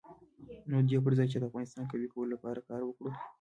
نو د دې پر ځای چې د افغانستان قوي کولو لپاره کار وکړو.